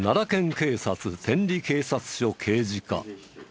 警察天理警察署刑事課。